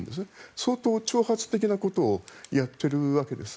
相当、挑発的なことをやっているわけです。